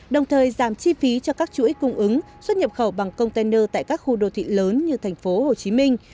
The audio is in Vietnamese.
đồng thời giảm chi phí cho các chuỗi cung ứng xuất nhập khẩu bằng container tại các khu đô thị lớn như thành phố hồ chí minh